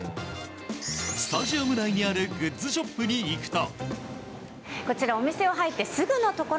スタジアム内にあるグッズショップに行くと。